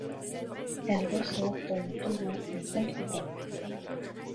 Elle ressort dans le torrent en contrebas.